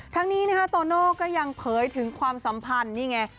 ทั้งนี้นะคะโตโน่ก็ยังเผยถึงความสัมพันธ์นี่ไง